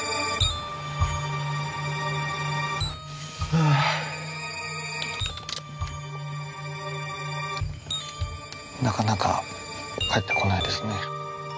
・はぁ・なかなか帰って来ないですね。